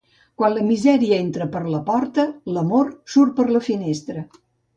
Quan la misèria entra per la porta, l'amor surt per la finestra.